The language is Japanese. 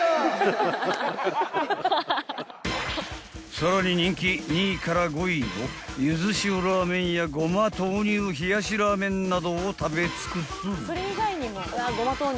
［さらに人気２位から５位のゆず塩らめんやごま豆乳冷しらめんなどを食べ尽くす］